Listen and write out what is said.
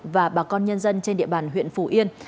và bà con nhân dân trên địa bàn huyện phủ yên